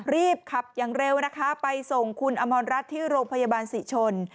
รีบขับอย่างเร็วนะคะไปส่งคุณอมรรัฐที่โรงพยาบาลศรีชน